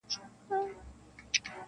هغه لاس دي مات سي چي لاسونه د منظور تړي -